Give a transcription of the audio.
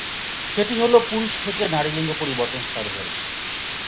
সেটি হল পুরুষ থেকে নারী লিঙ্গ পরিবর্তন সার্জারি।